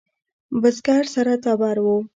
بزگر سره تبر و.